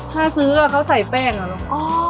ถ้าซื้อเขาใส่แป้งอ่ะตังค์